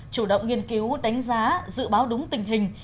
chủ động nghiên cứu đánh giá dự báo đúng tình hình